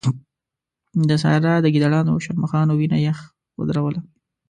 د سارا د ګيدړانو او شرموښانو وينه يخ ودروله.